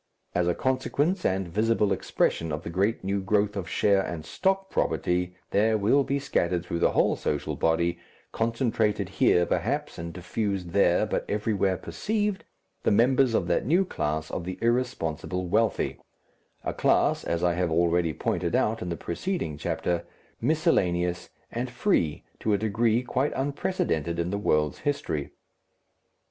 As a consequence and visible expression of the great new growth of share and stock property there will be scattered through the whole social body, concentrated here perhaps, and diffused there, but everywhere perceived, the members of that new class of the irresponsible wealthy, a class, as I have already pointed out in the preceding chapter, miscellaneous and free to a degree quite unprecedented in the world's history.